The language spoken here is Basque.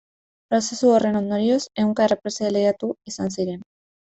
Prozesu horren ondorioz, ehunka errepresaliatu izan ziren.